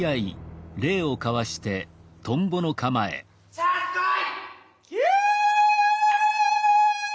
さあ来い！